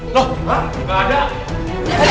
loh nggak ada